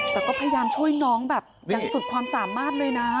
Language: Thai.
แต่ก็พยายามช่วยน้องแบบอย่างสุดความสามารถเลยนะ